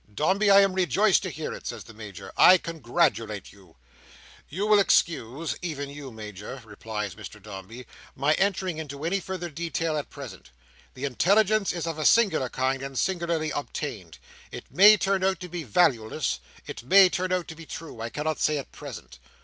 "Dombey, I am rejoiced to hear it," says the Major. "I congratulate you." "You will excuse—even you, Major," replies Mr Dombey, "my entering into any further detail at present. The intelligence is of a singular kind, and singularly obtained. It may turn out to be valueless; it may turn out to be true; I cannot say at present.